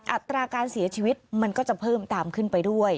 อัตราการเสียชีวิตมันก็จะเพิ่มตามขึ้นไปด้วย